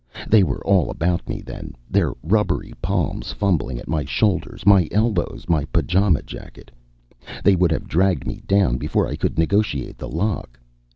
They were all about me then, their rubbery palms fumbling at my shoulders, my elbows, my pajama jacket. They would have dragged me down before I could negotiate the lock.